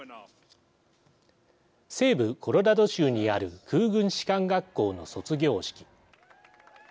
西部コロラド州にある空軍士官学校の卒業式。